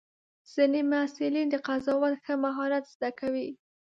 ځینې محصلین د قضاوت ښه مهارت زده کوي.